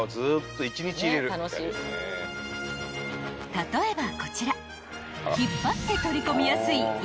［例えばこちら］